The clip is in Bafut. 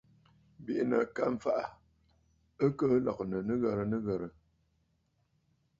Bìʼinə̀ ka fàʼà, ɨ kɨ lɔ̀gə̀ nɨghərə nɨghərə.